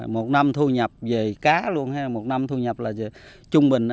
một năm thu nhập về cá luôn hay một năm thu nhập là chung bình